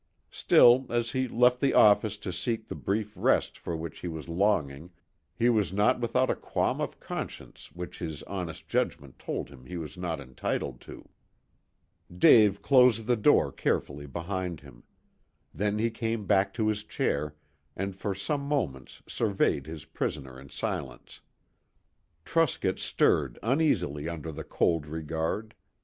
Still, as he left the office to seek the brief rest for which he was longing, he was not without a qualm of conscience which his honest judgment told him he was not entitled to. Dave closed the door carefully behind him. Then he came back to his chair, and for some moments surveyed his prisoner in silence. Truscott stirred uneasily under the cold regard.